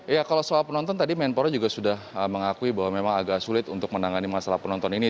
ya kalau soal penonton tadi menpora juga sudah mengakui bahwa memang agak sulit untuk menangani masalah penonton ini